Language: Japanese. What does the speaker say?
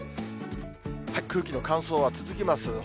空気の乾燥は続きます。